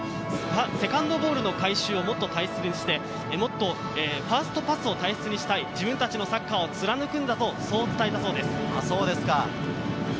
セカンドボールの回収をもっと大切にして、ファーストパスを大切にしたい、自分たちのサッカーを貫くんだぞと伝えたそうです。